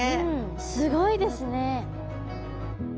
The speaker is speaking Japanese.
すごいですね。